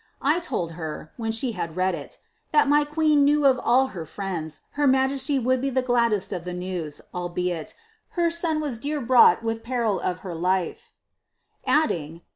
I told her, when she had read it, '• that my queen knew of all her friends, her majesty would be the gladdest of the news, albeit, her son was dear bought with peril of her liRI;' adding.